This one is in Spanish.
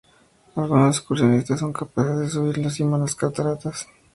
Algunos excursionistas son capaces de subir a la cima de las cataratas.